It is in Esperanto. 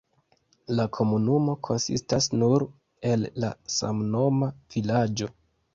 La komunumo konsistas nur el la samnoma vilaĝo.